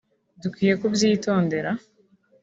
dukwiye kubyitondera”